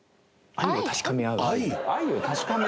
愛を確かめ合う？